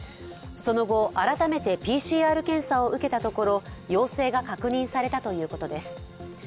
その後、改めてＰＣＲ検査を受けたところ陽性が確認されたということです。